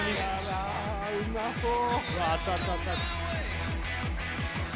うまそう！